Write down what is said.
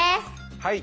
はい。